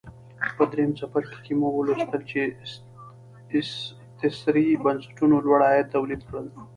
په درېیم څپرکي کې مو ولوستل چې استثري بنسټونو لوړ عواید تولید کړل